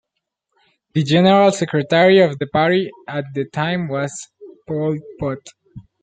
The General Secretary of the party at the time was Pol Pot.